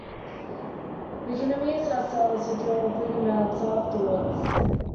We can amuse ourselves with your rigmaroles afterwards.